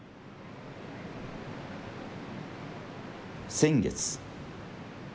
先月。